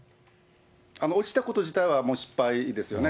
落ちたこと自体は失敗ですよね。